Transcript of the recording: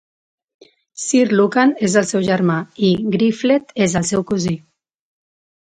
Sir Lucan és el seu germà i Griflet és el seu cosí.